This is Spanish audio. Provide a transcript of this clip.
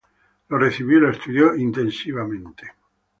Lo recibió y lo estudió intensivamente.